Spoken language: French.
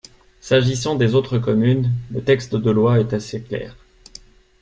S’agissant des autres communes, le texte de loi est assez clair.